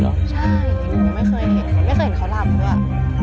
ใช่หนูไม่เคยเห็นเขาไม่เคยเห็นเขารามด้วย